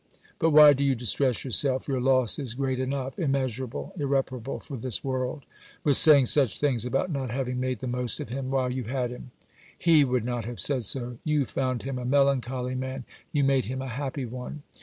But why do you distress yourself (your loss is great enough, immeasurable, irreparable, for this world) with saying such things about not having made the most of him while you had him? He would not have said so. You found him a melancholy man: you made him a happy one.